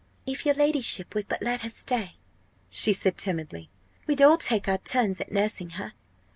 "If your ladyship would but let her stay," she said timidly, "we'd all take our turns at nursing her.